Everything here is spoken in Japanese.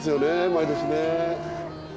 毎年ね。